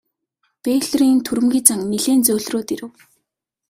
Бэйлорын түрэмгий зан нилээн зөөлрөөд ирэв.